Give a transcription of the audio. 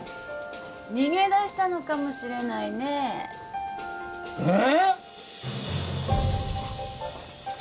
逃げ出したのかもしれないねえええ！？